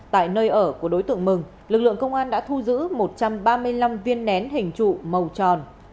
tại nơi ở của đối tượng mừng lực lượng công an đã thu giữ một trăm ba mươi năm viên nén hình trụ màu tròn